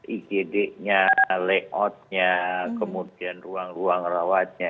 igd nya layout nya kemudian ruang ruang rawatnya